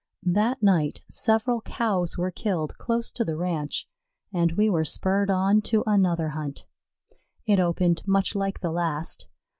That night several Cows were killed close to the ranch, and we were spurred on to another hunt. It opened much like the last.